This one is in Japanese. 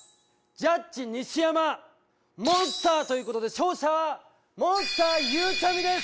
ジャッジ西山。という事で勝者はモンスターゆうちゃみです！